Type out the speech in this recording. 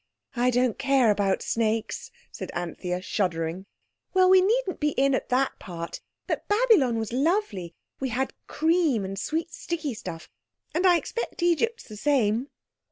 "I don't care about snakes," said Anthea shuddering. "Well, we needn't be in at that part, but Babylon was lovely! We had cream and sweet, sticky stuff. And I expect Egypt's the same."